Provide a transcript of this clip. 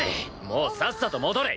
もうさっさと戻れ！